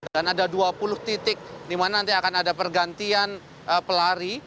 dan ada dua puluh titik di mana nanti akan ada pergantian pelari